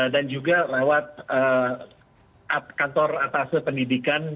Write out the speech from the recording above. dan juga lewat kantor atasnya pendidikan